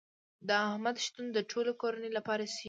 د احمد شتون د ټولې کورنۍ لپاره سیوری دی.